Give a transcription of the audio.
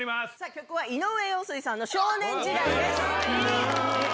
曲は井上陽水さんの「少年時代」です